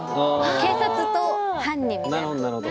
警察と犯人みたいな。